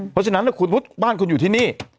เพราะฉะนั้นคุณบ้านคุณอยู่ที่นี่